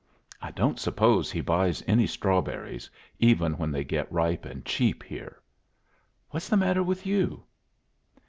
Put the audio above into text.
I don't suppose he buys any strawberries, even when they get ripe and cheap here. What's the matter with you?"